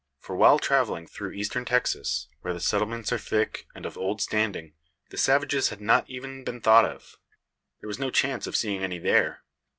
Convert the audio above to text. For, while travelling through Eastern Texas, where the settlements are thick, and of old standing, the savages had not evens been thought of. There was no chance of seeing any there.